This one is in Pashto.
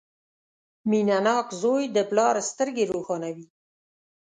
• مینهناک زوی د پلار سترګې روښانوي.